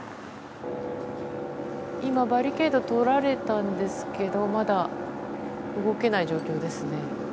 バリケードを取られたんですけどまだ動けない状況ですね。